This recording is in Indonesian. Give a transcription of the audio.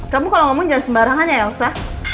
kamu kalau ngomong jangan sembarangan ya elsa